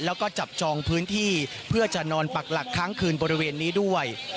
แล้วก็จับจองพื้นที่เพื่อจะนอนปักหลักค้างคืนบริเวณนี้ด้วย